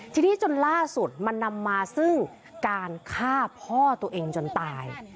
ทีนี้จนล่าสุดมันนำมาซึ่งการฆ่าพ่อตัวเองจนตาย